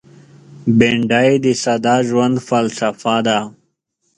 بېنډۍ د ساده ژوند فلسفه ده